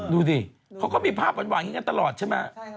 ดูดิเขาก็มีภาพหวานอย่างนี้กันตลอดใช่ไหม